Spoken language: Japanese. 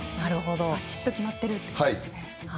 バチっと決まっているということですね。